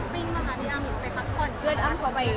แสดงว่าอาจจะได้เห็นแบบใส่